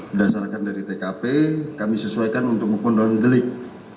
berdasarkan dari tkp kami sesuaikan untuk hukum non delik